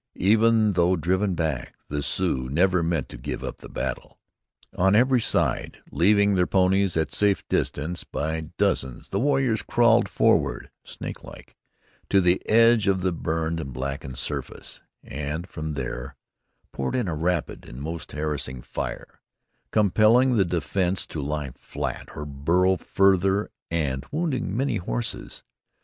Even though driven back, the Sioux never meant to give up the battle. On every side, leaving their ponies at safe distance, by dozens the warriors crawled forward, snake like, to the edge of the burned and blackened surface, and from there poured in a rapid and most harassing fire, compelling the defence to lie flat or burrow further, and wounding many horses.